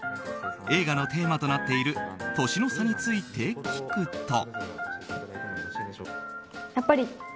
映画のテーマとなっている年の差について聞くと。